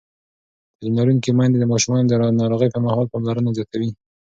تعلیم لرونکې میندې د ماشومانو د ناروغۍ پر مهال پاملرنه زیاتوي.